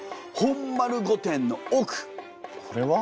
これは？